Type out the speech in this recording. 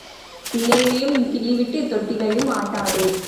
பிள்ளையையும் கிள்ளிவிட்டு தொட்டிலையும் ஆட்டாதே.